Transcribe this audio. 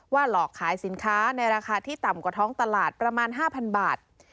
หลอกขายสินค้าในราคาที่ต่ำกว่าท้องตลาดประมาณ๕๐๐บาท